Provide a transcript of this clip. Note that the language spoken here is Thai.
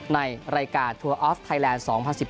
ในรายการทัวร์ออฟไทยแลนด์๒๐๑๘